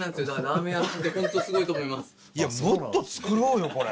いやもっと作ろうよこれ。